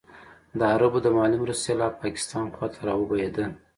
د عربو د مالي مرستو سېلاب پاکستان خوا ته راوبهېده.